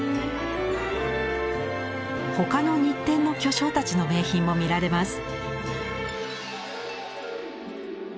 他の日展の巨匠たちの名品も見られます。